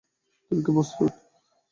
তুমি কি প্রস্তুত?